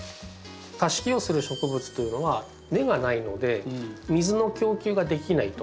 さし木をする植物というのは根がないので水の供給ができないと。